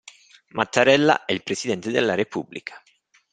Mattarella è il presidente della Repubblica.